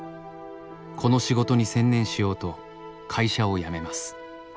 この仕事に専念しようと会社を辞めます。